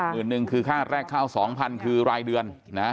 มึงนึงคือค่าแรกเข้า๒๐๐๐คือรายเดือน